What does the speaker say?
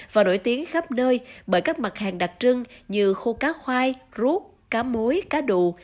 và nổi tiếng khắp nơi bởi các mặt hàng đặc trưng như khô cá khoai rút cá muối cá đụ